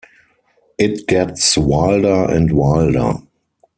It gets wilder and wilder.